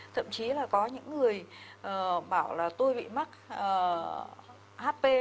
thậm chí là có những người bảo là tôi bị mắc hp